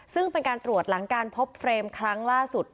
ซึ่งเป็นการตรวจหลังการพบเฟรมครั้งล่าสุด